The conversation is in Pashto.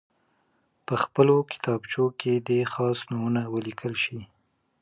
په خپلو کتابچو کې دې خاص نومونه ولیکل شي.